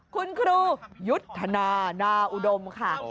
คุณครูยุทธนานาอุดมค่ะ